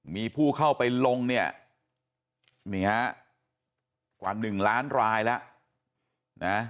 มีผู้เข้าไปลงเนี่ยนี่ฮะกว่า๑ล้านรายแล้วนะ